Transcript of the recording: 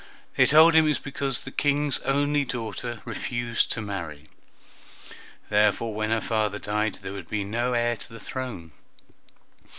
They told him it was because the King's only daughter refused to marry; therefore when her father died there would be no heir to the throne.